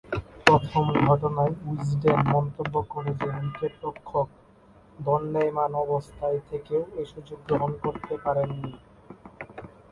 প্রথম ঘটনায় উইজডেন মন্তব্য করে যে, উইকেট-রক্ষক দণ্ডায়মান অবস্থায় থেকেও এ সুযোগ গ্রহণ করতে পারেননি।